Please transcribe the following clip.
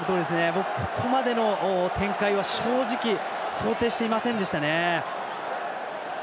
ここまでの展開は正直、想定していませんでしたね。